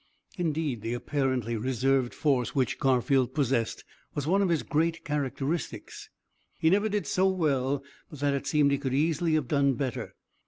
Indeed, the apparently reserved force which Garfield possessed was one of his great characteristics. He never did so well but that it seemed he could easily have done better.